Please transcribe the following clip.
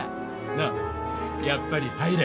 のうやっぱり入れ。